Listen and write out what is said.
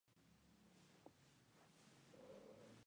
El nombre antiguo hace referencia a la presencia de ciervos en la isla.